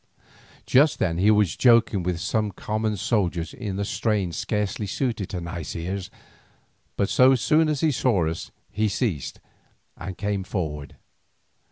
Just then he was joking with some common soldiers in a strain scarcely suited to nice ears, but so soon as he saw us he ceased and came forward.